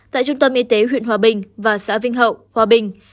tại trung tâm y tế huyện hòa bình và xã vinh hậu hòa bình